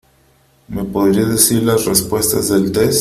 ¿Me podrías decir las respuestas del test?